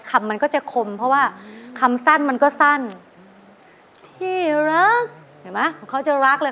คำมันก็จะคมเพราะว่าคำสั้นมันก็สั้นที่รักเห็นไหมของเขาจะรักเลย